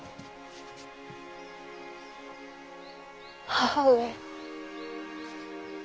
母上。